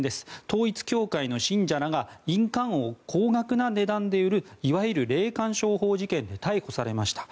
統一教会の信者らが印鑑を高額な値段で売るいわゆる霊感商法事件で逮捕されました。